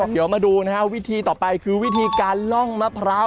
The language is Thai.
เดี๋ยวมาดูนะฮะวิธีต่อไปคือวิธีการล่องมะพร้าว